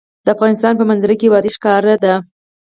د افغانستان په منظره کې وادي ښکاره ده.